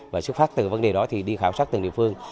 và xuất phát từ vấn đề đó thì đi khảo sát từng địa phương